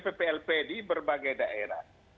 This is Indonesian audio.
pplp di berbagai daerah